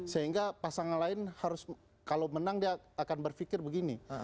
sehingga pasangan lain harus kalau menang dia akan berpikir begini